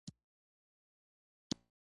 بودا وایي مینه غمونه راوړي.